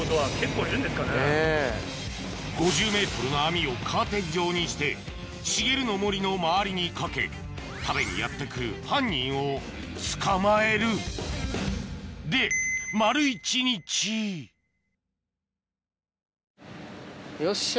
５０ｍの網をカーテン状にして茂の森の周りにかけ食べにやって来る犯人を捕まえるで丸一日よっしゃ。